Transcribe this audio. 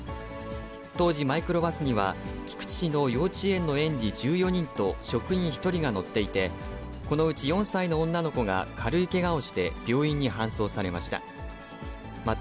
当時、マイクロバスには、菊池市の幼稚園の園児１４人と職員１人が乗っていて、このうち４歳の女の子が軽いけがをして病院に搬送されました。